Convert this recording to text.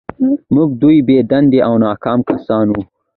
موږ دوه بې دندې او ناکام کسان وو